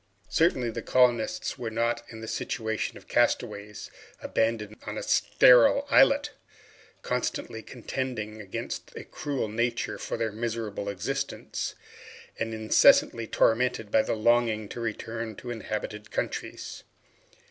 Certainly, the colonists were not in the situation of castaways abandoned on a sterile islet, constantly contending against a cruel nature for their miserable existence, and incessantly tormented by the longing to return to inhabited countries.